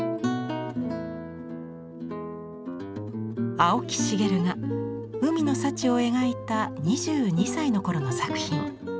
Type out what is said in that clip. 青木繁が「海の幸」を描いた２２歳のころの作品。